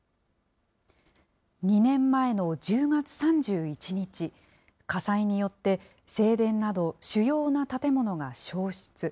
２年前の１０月３１日、火災によって、正殿など主要な建物が焼失。